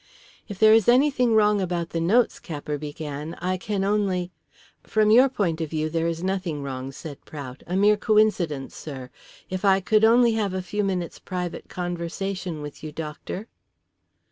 "If there is anything wrong about the notes," Capper began, "I can only " "From your point of view there is nothing wrong," said Prout. "A mere coincidence, sir. If I could only, have a few minutes' private conversation with you, doctor?"